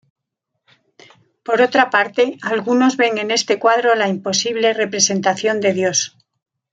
Por otra parte, algunos ven en este cuadro la imposible representación de Dios.